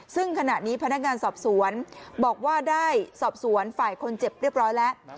ซึ่งขณะนี้พนักงานสอบสวนบอกว่าได้สอบสวนฝ่ายคนเจ็บเรียบร้อยแล้ว